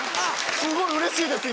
すごいうれしいです今。